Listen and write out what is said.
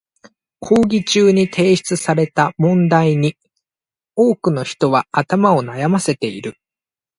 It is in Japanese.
講義中に出題された問題に多くの人に頭を悩ませている。